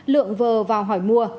lượng vờ vào hỏi mua